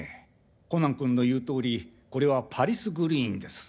コナン君の言う通りこれはパリスグリーンです。